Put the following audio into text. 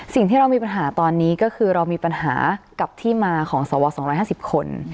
สิ่งที่เรามีปัญหาตอนนี้ก็คือเรามีปัญหากับที่มาของสว๒๕๐คน